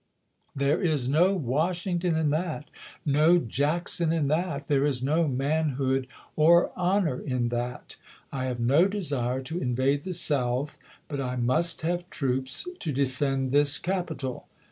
There is no Washington in that — no Jackson in that — there is no manhood or honor in that. I have no desire to invade the South ; but I must have troops to defend this capital.